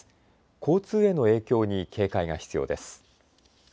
交通への影響に警戒が必要です。